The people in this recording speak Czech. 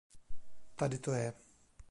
Tady to je.